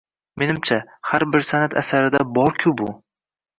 Meningcha, har bir san’at asarida bor bu.